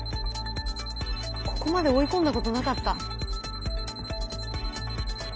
ここまで追い込んだことなかった。